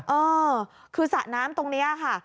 เออคือสระน้ำตรงนี้ค่ะ